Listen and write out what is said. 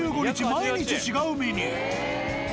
毎日違うメニュー。